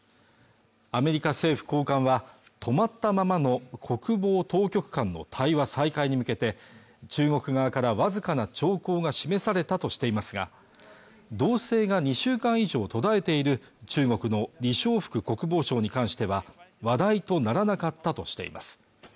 アメリカ政府高官は止まったままの国防当局間の対話再開に向けて中国側からわずかな兆候が示されたとしていますが動静が２週間以上途絶えている中国の李尚福国防相に関しては話題とならなかったとしています